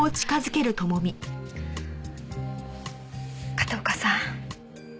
片岡さん。